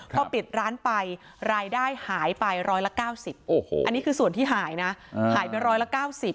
พอปิดร้านไปรายได้หายไปร้อยละ๙๐อันนี้คือส่วนที่หายนะหายไปร้อยละ๙๐